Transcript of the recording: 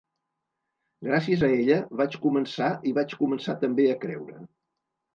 Gràcies a ella vaig començar i vaig començar també a creure.